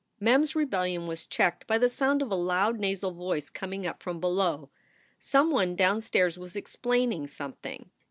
Mem s rebellion was checked by the sound of a loud nasal voice coming up from below. Some one downstairs was explaining something.